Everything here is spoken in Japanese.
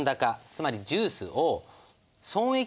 つまりジュースを損益